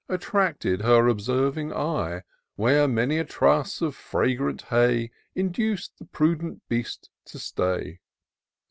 Attracted her observing eye. Where many a truss of fragrant hay Induc'd the prudent beast to stay.